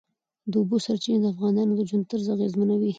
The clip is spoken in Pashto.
د اوبو سرچینې د افغانانو د ژوند طرز اغېزمنوي.